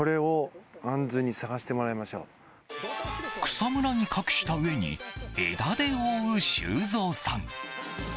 草むらに隠したうえに枝で覆う修造さん。